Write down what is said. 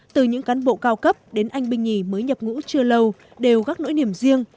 từ những cán bộ cao cấp đến anh binh nhì mới nhập ngũ chưa lâu đều gác nỗi niềm riêng